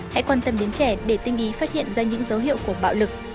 hãy quan tâm đến trẻ để tinh ý phát hiện ra những dấu hiệu của bạo lực